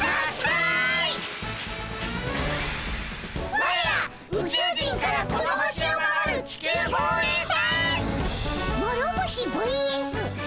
ワレら宇宙人からこの星を守る地球防衛隊！